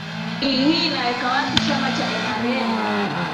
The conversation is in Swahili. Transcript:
i hii inaiweka wapi chama cha nrm